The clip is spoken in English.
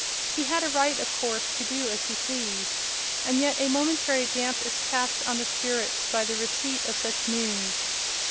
He had a right, of course, to do as he pleased: and yet a momentary damp is cast on the spirits by the receipt of such news.